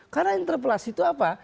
karena interpelasi itu apa